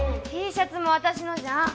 Ｔシャツも私のじゃん！